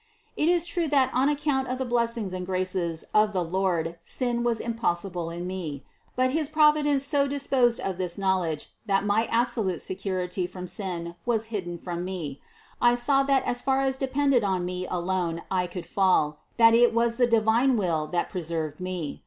It is true that on account of the blessings and graces of the Lord sin was impossible in me. But his Providence so disposed of this knowledge, that my absolute security from sin was hidden to me ; I saw that as far as depended on me alone I could fall, and that it was the divine will that preserved me.